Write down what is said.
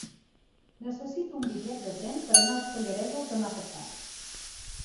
Necessito un bitllet de tren per anar als Pallaresos demà passat.